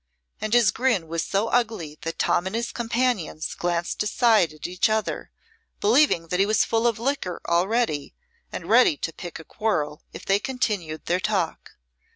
And his grin was so ugly that Tom and his companions glanced aside at each other, believing that he was full of liquor already, and ready to pick a quarrel if they continued their talk.